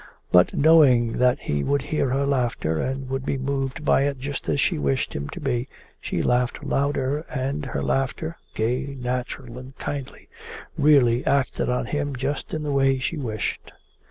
But knowing that he would hear her laughter and would be moved by it just as she wished him to be, she laughed louder, and her laughter gay, natural, and kindly really acted on him just in the way she wished.